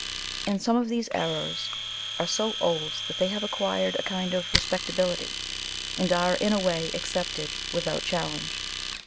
And some of these errors are so old that they have acquired a kind of respectability, and are in a way accepted without challenge.